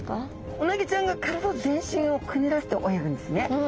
うなぎちゃんが体全身をくねらせて泳ぐんですね。